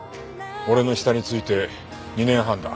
俺の下について２年半だ。